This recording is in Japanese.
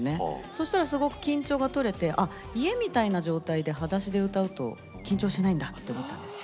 そうしたら、すごく緊張が取れて家みたいな状態ではだしで歌うと緊張しないんだと思ったんです。